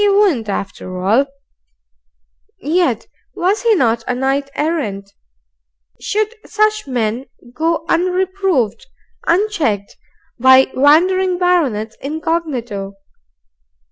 He wouldn't after all. Yet was he not a Knight Errant? Should such men go unreproved, unchecked, by wandering baronets incognito?